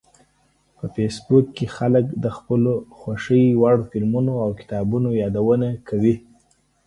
په فېسبوک کې خلک د خپلو خوښې وړ فلمونو او کتابونو یادونه کوي